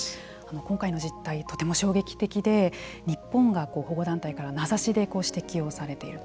今回の実態とても衝撃的で日本が保護団体から名指しで指摘をされている。